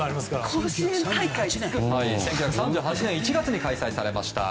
１９３８年１月に開催されました。